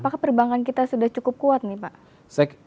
mungkin kita sudah cukup kuat nih pak